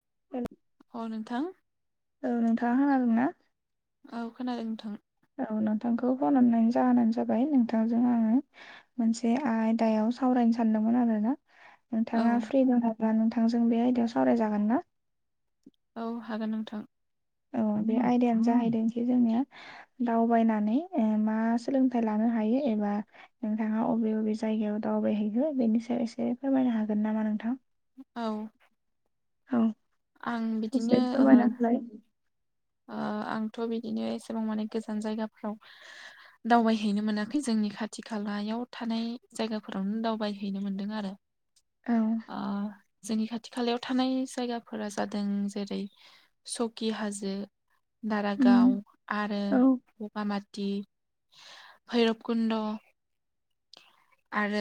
[unintelligible] औ नोंथां। औ नोंथाङा खोनादोंना? औ खोनादों नोंथां। औ नोंथांखौ फन हरनायनि जाहोनानो जाबाय नोंथांजों आङो मोनसे आ-आयदायाव सावराय नो सानदोंमोन आरोना। औ नोंथाङा फ्रि दंबा नोंथांजों बे आयदायाव सावरायजागोन ना? औ हागोन नोंथां। औ। बे आयदायानो जाहैदों जे जोंनिया दावबायनानै ओ मा सोलोंथाइ लानो हायो एब बा नोंथाङा अबे अबे जायगायाव दावबायहैगो बेनि सायाव एसे फोरमायनो हागोन नामा नोंथां? औ। औ आं बिदिनो एसे ओ फोरमायना होलाय। ओ आंथ' बिदिनो एसेबां माने गोजान जायगाफ्राव दावबायहैनो मोनाखै जोंनि खाथि खालायाव थानाय जायगाफोरावनो दावबायहैनो मोनदों आरो। औ। ओ जोंनि खाथि खालायाव थानाय जायगाफोरा जादों जेरै- सकि हाजो। दारागाव उम आरो औ बगामा थि भैरब कुन्न्द'। आरो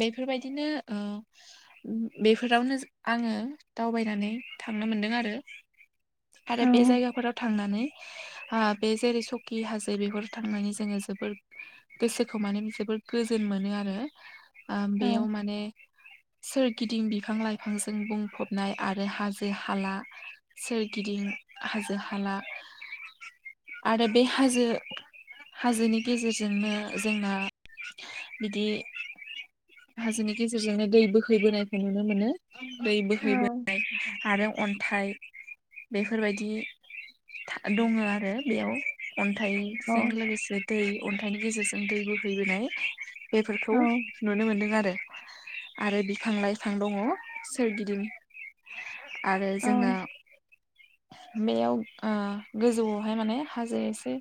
बेफोरबायदिनो ओ बेफोरावनो आङो दावबायनानै थां नो मोनदों आरो। [unintelligible] आरो बे जायगाफोराव थांनानै बे जेरै सकि हाजो बेफोर थांनानै जोङो जोबोर गोसोखौ माने जोबोर गो गोजोन मोनो आरो औ बेयाव माने सोरगिदिं बिफां लाइफांजों बुंफबनाय आरो हाजो हाला सोरगिदिं हाजो हाला [inaudible] आरो बे हाजो हाजोनि गेजेरजोंनो जोंना बिदि हाजोनि गेजेरजोंनो दै बोहैबोनायखौ नुनो मोनो। दै औ बोहैबोनाय आरो अन्थाइ बेफोरबायदि दङ आरो बेयाव। अन्थाइजों औ लोगोसे दै अन्थाइनि गेजेरजों दै बोहैबोनाय बेफोरखौ नुनो मोनदों आरो। आरो बिफां लाइफां दङ सोरगिदिं आरो औ जोंना बेयाव आ गोजौआवहाय माने हाजो एसे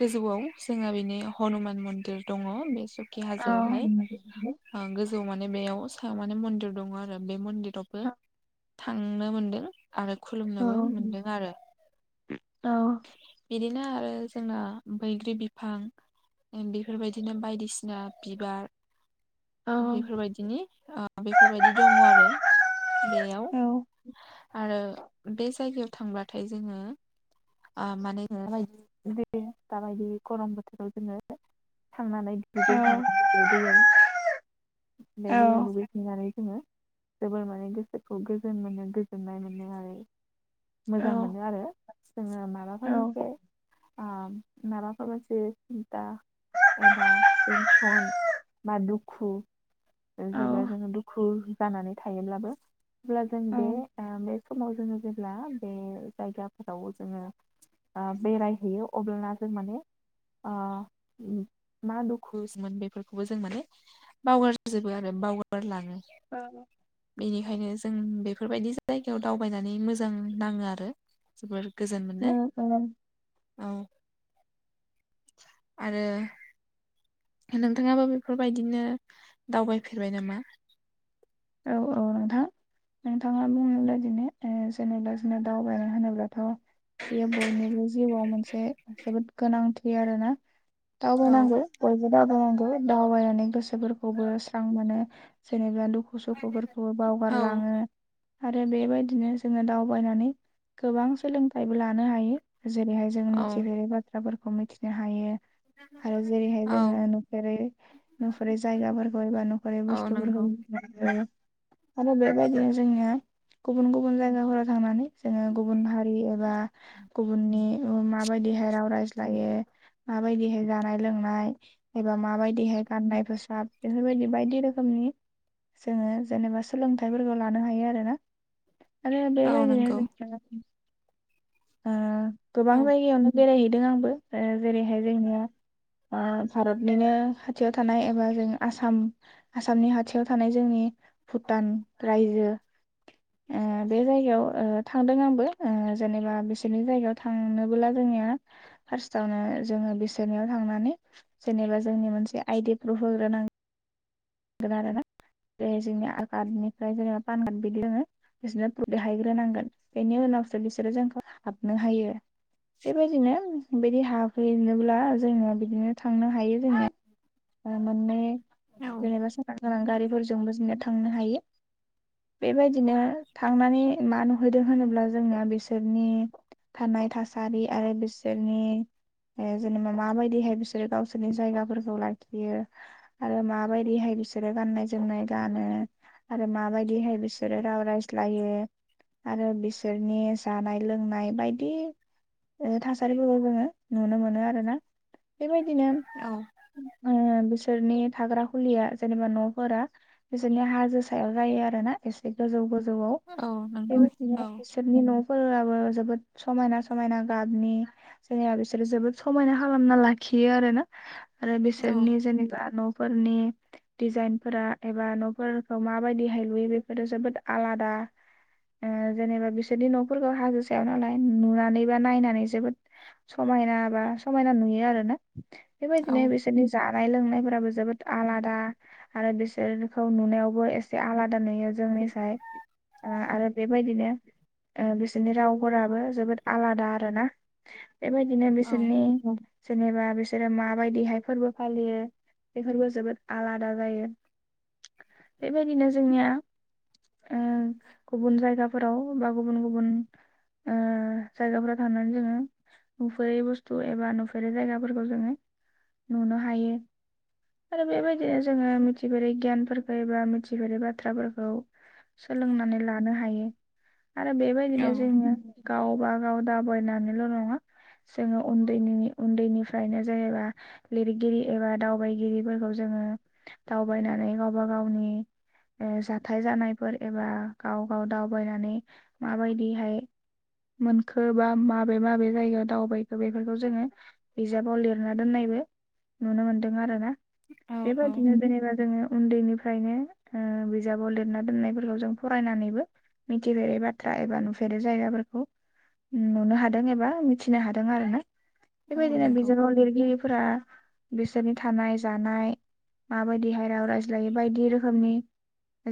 गोजौआव जोङो बेनि हनुमान मन्दिर दङ बेसो खि हाजोआवहाय औ ओ गोजौ माने बेयाव सायाव माने मन्दिर दङ आरो बे मन्दिर थ'बो औ थांनो मोनदों। आरो खुलुमनोबो मोनदों आरो। बिदिनो ओ जोंना बैग्रि बिफां इ बिफोरबायदिनो बायदिस सिना बिबार बेफोरबायदिनि ओ बेफोरबायदि दङ आरो बेयाव आरो बे जायगायाव थांब्लाथाय जोङो आ माने [unintelligible] बे बायदि गरम बोथोराव जोङो थांनानै दुगैहैनाय जायो दैयाव बे दैयाव दुगै हैनानै जोङो जोबोर माने गोसोखौ गोजोन मोनो गोजोननाय मोनो आरो। मोजां मोनो आरो जोङो माबाफोर मोनसे आ माबाफोर मोनसे सिन्था एबा टेनसन बा दुखु ओ जेब्ला जोङो दुखु जानानै थायोब्लाबो अब्ला जों बे ओ बे समाव जोङो जेब्ला बे जायगाफोराव जोङो बा बेरायहैयो अब्लाना जों माने ओ उम मा दुखुसमोन बेफोरखौबो जों माने बावगार जोबो आरो। बावगारलाङो बिनिखायनो जों बेफोरबायदि जायगायाव दावबायनानै मोजां नाङो आरो जोबोर गोजोन मोनो औ। आरो नोंथाङाबो बेफोरबायदिनो दावबायफेरबाय नामा? औ औ नोंथां। नोंथाङा बुंनाय बायदिनो ओ जेनेबा जोना दावबायना होनोब्लाथ' बेयो बयनिबो जिउआ मोनसे जोबोद गोनांथि आरोना औ दावबायनांगौ बयबो दावबायनां गो दावबायनानै गोसोफोरखौबो स्रां मोनो जेनेबा दुख खु सुखुफोरखौबो औ बावगारलाङो। आरो बेबायदिनो जोङो दावबायनानै गोबां सोलोंथाइबो लानो हायो। जेरैहाय जोङो औ मिथिफेरै बाथ्राफोरखौ मिथिनो हायो। हारो जेरैहाय औ जोङो नुफेरै नुफेरै जायगाफोरखौ एबा नुफेरै औ नंगौ बुस्थुफोरखौ आरो आरो बेबायदिनो जोंनिया गुबुन गुबुन जायगाफोराव थांनानै जोङो गुबुन हारि एबा गुबुननि ओ माबाय दिहोराव रायज्लायो मा माबायदिहाय जानाय लोंनाय एबा माबायदिहाय गाननाय फोसाब बेफोरबायदि बायदि रो खोमनि जोङो जेनेबा सोलोंथाइफोरखौ लानो हायो आरो ना। आरो औ बेबायदिनो नंगौ जोंहा [unintelligible] आ गोबां औ जायगायावनो बेरायहैदों आंबो। ओ जेरैहाय जोंनिया ओ भारतनिनो खाथियाव थानाय एबा जों आसाम आसामनि हाथियाव थानाय जोंनि भुटान रायजो ओ बे जायगायाव ओ थांदों आंबो। ओ जेनेबा बिसोरनि जायगायाव थांनोबोला जोंनिया फार्स्ट आवनो जोङो बिसोरनियाव थांनानै जेनेबा जोंनि मोनसे आइडि प्रुफ होग्रो नां गोन आरो ना। बे जोंनि आरकार्डनिफ्राय जेनेबा पान काड बिदि दोङो बिसोरनो प्रुफ देखाय ग्रोनांगोन बेनि उन नावसो बिसोरो जों हाबनो हायो, बेबायदिनो हाबहैनो बुला जोङो बिदिनो थांनो हायो जोङो ओ मोनने औ जेनेबा सारां गारां गोनां गारिफोरजोंबो जोंनिया थांनो हायो। बेबायदिनो थांनानै मा नुहैदों, होनोब्ला जोंना बिसोर नि थानाय थासारि आरो बिसोर नि ए, ् जेनेबा माबायदिहाय बिसोरो गावसोरनि जायगाफोरखौ लाखियो। आरो मा? माबायदिहाय बिसोरो गाननाय जोमनाय गानो। आरो माबायदि हाय बिसोरो राव रायज्लायो? आरो बिसोर नि जानाय लोंनाय बाय दि। ओ थासारिफोरखौ जोंङो नुनो मोनो आरोना। बेबायदिनो औ उम बिसोरनि थाग्रा फुलिया जेनेबा न'फोरा, बिसोरनि हाजो सायाव जायो आरो ना। एसे गोजौ गोजौ जौआव औ नंगौ बेबायदिनो औ बिसोरनि न' फोराबो जोबोद समायना समायना गाबनि जेनेबा, बिसोरो जोबोद समायना खालामना लाखि खियो आरो ना। आरो औ बिसोरनि जेनेबा न'फोरनि दिजाइनफोरा एबा न'फोरखौ माबायदिहाय लुयो बेफोरो जोबोद आलादा। ओ जेनेबा बिसोरनि न'फोरखौ हाजो सायाव नालाय नुनानै बा, नायनानै जोबोद स मायना बा समायना नुयो आरो ना। औ बेबायदिनो बिसोरनि जानाय लोंनायफोराबो जोबोद आ आलादा आरो बिसोरखौ नुनायावबो एसे आलादा नुयो जोंनिसाय। ओ आरो बेबायदिनो ओ बिसोरनि रावफोराबो जोबोद आलादा आरो ना। बेबायदिनो बिसोरनि उम जेनेबा बिसोरो माबायदिहाय फोरबो फालियो बेफोरबो जोबोद आलादा जायो। बेबायदिनो जोंनिया उम गुबुन जायगाफोराव बा गुबुन गुबुन ओ जायगाफोराव थांनानै जोङो। नुफेरै बुस्थु एबा नुफेरै जायगाफोरखौ जोङो नुनो हायो। आरो बेबायदिनो जोङो मिथि फेरै गियानफोरखौ एबा मिथि फेरै बाथ्राफोरखौ। सोलोंनानै लानो हायो। आरो औ बेबायदिनो जोङो। गाव बागाव दाबबायनानैल' नङा। जोङो उन्दैनिनि उन्दैनिफ्रायनो जेनेबा, लिरगिरि एबा दावबायगिरि फोरखौ जोङो दावबायनानै गावबा गावनि ओ जाथाय जानायफोर एबा गाव गाव दावबायनानै मा बायदिहाय मोनखो बा माबे माबे जायगायाव दावबायखो बेफोरखौ जोङो, बिजाबाव लिरना दोननाय बो नुनो मोनदों आरोना। औ औ बेबायदिनो जेनेबा जोङो उन्दैनि फ्रायनो ओ बिजाबाव लिरना दोननायफोरखौ जों फरायनानैबो, मिथिफेरै बाथ्रा एबा नुफे रि जायगाफोरखौ नुनो हादों एबा मिथिनो हादों आरो ना। औ बेबायदिनो नंगौ बिजाबाव लिरगिरिफोरा बिसोरनि थानाय थानाय माबायदिहाय राव रायज्लायो बायदि रोखोमनि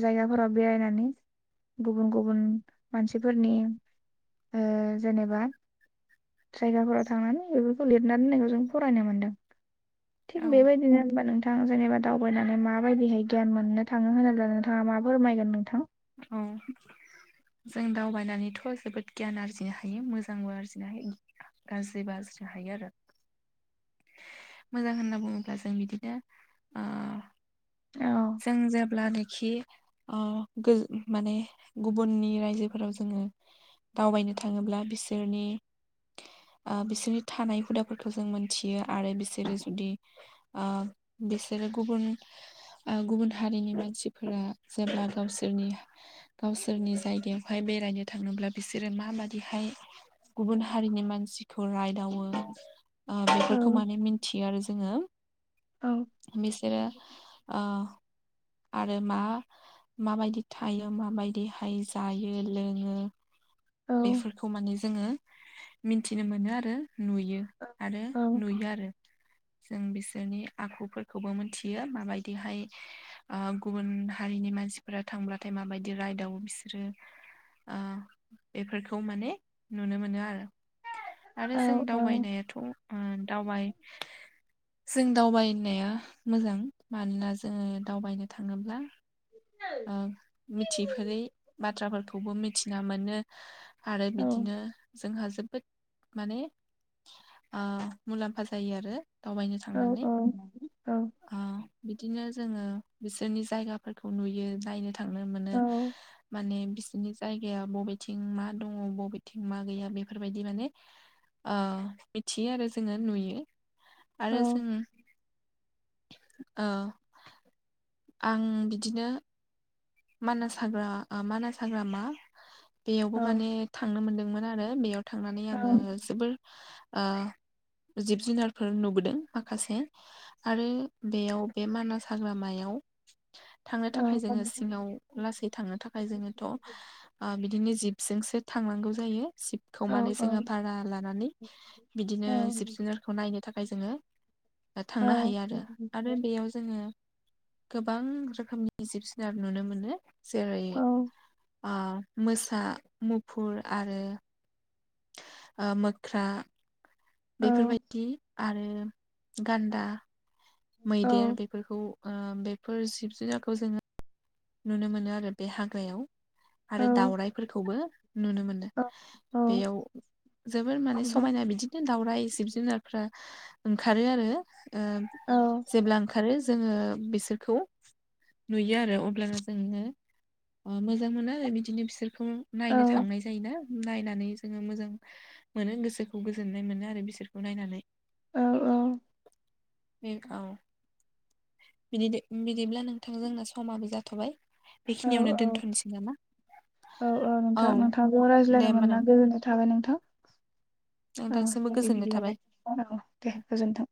जायगाफोराव बेरायनानै गुबुन गुबुन मानसिफोरनि ओ जेनेबा जायगाफोराव थांनानै बेफोरखौ लिरनानै दोननायखौ जों फरायनो मोनदों, थिग औ बेबायदिनो जेनेबा नोंथां जेनेबा दावबायनानै माबायदिहाय गियान मोननो थाङो होनोब्ला नोंथाङा मा फोरमायगोन नोंथां? औ जों दावबायनानैथ' जोबोद गियान आरजिनो हायो मोजांबो आरजिनो हायो गाज्रि बाजनो हायो आरो मोजां होनना बुङोब्ला जों बिदिनो ओ नोंथां जों जेब्लानोखि ओ गोज माने गुबुननि रायजोफोराव जों ओम दावबायनो थाङोब्ला बिसोरनि [unintelligible] ओ बिसोरनि थानाय हुदाफोरखौ जों मोनथियो आरो बिसोरो जुदि ओ बिसोर रो गुबुन ओ गुबुन हारिनि मानसिफोरा जेब्ला गावसोरनि गावसोरनि जायगायावहाय बेराय रायनो थाङोब्ला बिसोरो माबादिहाय गुबुन हारिनि मानसिखौ रायदावो बेफोरखौ माने मिनथियो आरो जोङो बिसोरो [unintelligible] आरो मा माबायदि थायो माबायदिहाय जायो लोङो मिथिनो मोनो आरो नुयो आरो नुयो आरो जों बिसोरनि आखुफोरखौबो मोनथियो माबायदिहाय आ गुबुन हारिनि मानसिफोरा थांब्लाथाय माबायदि राइदावो बिसोरो आ बेफोरखौ माने नुनो मोनो आरो आरो जों दावबायनायाथ' ओ दावबाय जों दावबायनाया मोजां मानोना जोङो दावबायनो थाङोब्ला ओ मिथिफेरै बाथ्राफोरखौबो मिथिना मोनो आरो बिदिनो जोंहा जोबोद माने ओ मुलाम्फा जायो आरो। दावबायनो थांनानै ओ बिदिनो जोङो बिसोरनि जायगाफोरखौ नुयो नायनो थांनो मोनो माने बिसोरनि जायगाया बबेथिं मा दङ बबेथिं मा गैया बेफोरबायदि माने ओ मिथियो आरो जोङो नुयो आरो जों ओ आं बिदिनो मानास हाग्रा आ मानास हाग्रामा बेयावबो माने थांनो मोनदोंमोन आरो बेयाव थांनानै आङो जोबोर ओ जिब जुनारफोर नुबोदों माखासे आरो बेयाव बे मानास हाग्रामायाव थांनो थाखाय जोङो सिङाव लासै थांनो थाखाय जोङोथ' ओ बिदिनो जिब सि जोंसो थांनांगौ जायो। जिबखौ माने जोङो भारा लानानै बिदिनो जिब-जुनारखौ नायनो थाखाय जोङो ओ थांनो हायो आरो आरो बेयाव जोङो गोबां रोखोमनि जिब जु नार नुनो मोनो। जेरै- ओ मोसा मुफुर आरो ओ मोख्रा बेफोरबायदि आरो गान्दा मैदेर बेफोरखौ ओ बेफोर जिब जुनारखौ जोङो नुनो मोनो आरो बे हाग्रायाव आरो दाउराइफोरखौबो नुनो मोनो बेयाव जोबोर माने समायना बिदिनो दावउराइ जिब जुनारफ्रा ओंखारो आरो ओ जेब्ला ओंखारो जोङो बिसोरखौ नुयो आरो अब्लानो जोङो ओ मोजां मोनो आरो बिदिनो बिसोरखौ नायनो थांनाय जायोना नायनानै जोङो मोजां मोनो गोसोखौ गोजोननाय मोनो आरो बिसोरखौ नायनानै औ औ बेंक आव बिदिदो-बिदिब्ला नोंथां जोंना समाबो जाथ'बाय- बेखिनियावनो दोनथ'नोसै नामा? औ औ नोंथां नोंथांजों दे रायज्लायनो होमबा मोनना नों गोजोननाय थाबाय नोंथां औ नोंथांसिमबो गोजोननाय थाबाय [unintelligible] औ दे गोजोनथों